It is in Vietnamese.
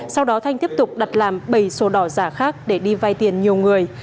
sau đó thanh tiếp tục đặt làm bảy sổ đỏ giả khác để đi vay tiền nhiều người